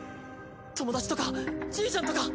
友達とかじいちゃんとか。